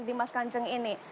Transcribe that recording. di mas kanjeng ini